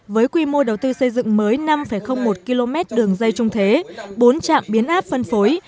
với quy mô đầu tư xây dựng mới năm một km đường dây trung thế bốn trạm biến áp phân phối